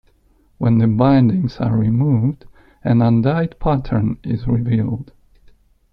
When the bindings are removed, an undyed pattern is revealed.